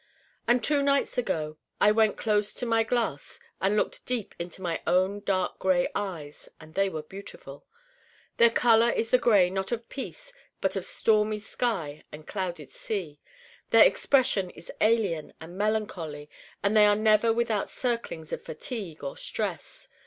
And two nights ago I went close to my glass and looked deep into my own dark gray eyes, and they were beautiful. Their color is the gray not of peace but of stormy sky and clouded sea. Their expression is alien and melancholy and they are never without circlings of fatigue or stress.